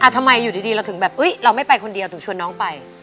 ทำไมอยู่ดีเราถึงแบบเราไม่ไปคนเดียวถึงชวนน้องไป